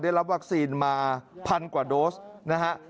ได้รับวัคซีนมา๑๐๐กว่าโดสนะฮะ